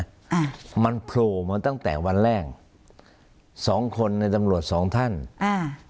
อ่ามันโผล่มาตั้งแต่วันแรกสองคนในตำรวจสองท่านอ่า